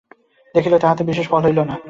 দেখিল তাহাতে বিশেষ ফল হইল না।